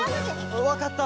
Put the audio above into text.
わかった。